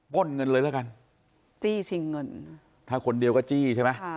้นเงินเลยแล้วกันจี้ชิงเงินถ้าคนเดียวก็จี้ใช่ไหม